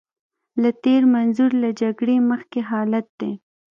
له تېر منظور له جګړې مخکې حالت دی.